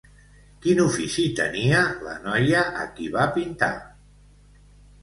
Quin ofici tenia la noia a qui va pintar?